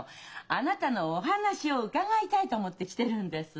あなたのお話を伺いたいと思って来てるんです。